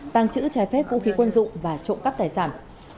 tăng trữ trái phép vũ khí quân dụng và trộm cắp tài sản